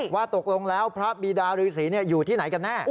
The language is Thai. ว่าตกลงแล้วพระบีดารือศรีอยู่ที่ไหนกันแน่